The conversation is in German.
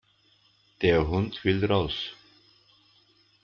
Der Hund will raus.